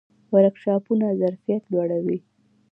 ورکشاپونه ظرفیت لوړوي